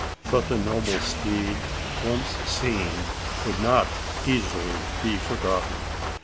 Such a noble steed, once seen, would not easily be forgotten.